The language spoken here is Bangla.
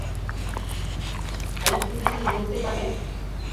আরেকটু কিছু বলতে পারবেন?